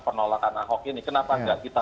penolakan ahok ini kenapa enggak kita